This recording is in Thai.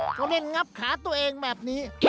เขาเล่นงับขาตัวเองแบบนี้